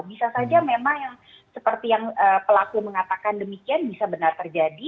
bisa saja memang yang seperti yang pelaku mengatakan demikian bisa benar terjadi